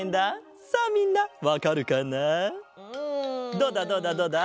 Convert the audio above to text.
どうだどうだどうだ？